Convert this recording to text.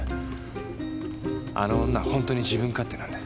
あの女はホントに自分勝手なんだ。